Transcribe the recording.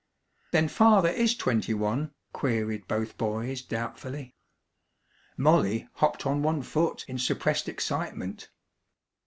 "Then Father is twenty one?" queried both boys doubtfully. Molly hopped on one foot in suppressed excitement.